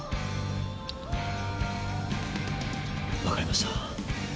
分かりました。